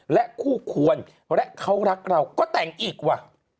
และคู่ควรและเขารักเราก็แต่งอีกว่ะ